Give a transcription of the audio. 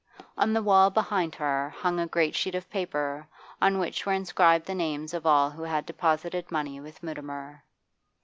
On the wall behind her hung a great sheet of paper on which were inscribed the names of all who had deposited money with Mutimer.